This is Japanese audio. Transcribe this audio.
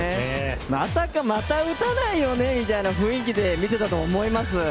まさか、また打たないよねみたいな雰囲気だったと思います。